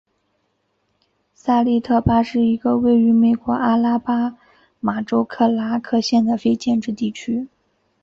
萨利特帕是一个位于美国阿拉巴马州克拉克县的非建制地区。